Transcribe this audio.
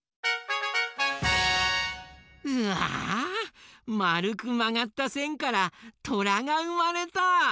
うわまるくまがったせんからトラがうまれた！